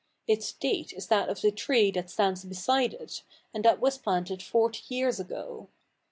Its date is that of the tree that stands beside it, and that was planted forty years ago.